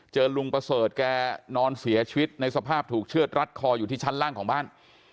ลุงประเสริฐแกนอนเสียชีวิตในสภาพถูกเชื่อดรัดคออยู่ที่ชั้นล่างของบ้าน